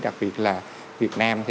đặc biệt là việt nam